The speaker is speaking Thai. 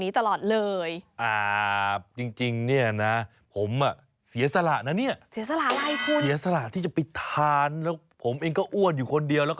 อืมเท่านั้นน่ะสงสารจังเลย